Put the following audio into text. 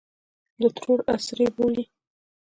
د ترور عصر یې بولي.